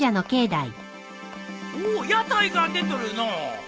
おお屋台が出とるのう。